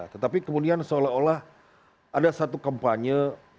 tetapi kemudian seolah olah ada satu kampanye